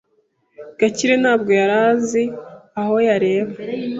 Gakire ntabwo yari azi aho yareba.